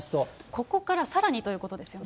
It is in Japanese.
ここからさらにということですよね。